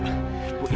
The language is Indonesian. kita pergi dari sini